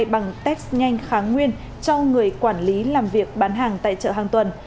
bằng test nhanh kháng nguyên cho người quản lý làm việc bán hàng tại chợ hàng tuần